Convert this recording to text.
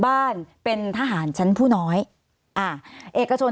สวัสดีครับทุกคน